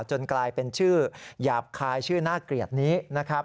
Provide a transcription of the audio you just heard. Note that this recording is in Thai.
กลายเป็นชื่อหยาบคายชื่อน่าเกลียดนี้นะครับ